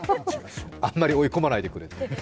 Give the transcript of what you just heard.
あんまり追い込まないでくれって。